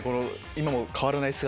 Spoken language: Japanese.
今も変わらない姿。